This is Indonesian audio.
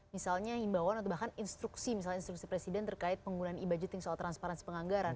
misalnya himbauan atau bahkan instruksi misalnya instruksi presiden terkait penggunaan e budgeting soal transparansi penganggaran